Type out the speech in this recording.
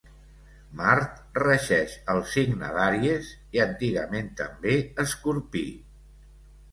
Mart regeix el signe d'Àries i antigament també Escorpí.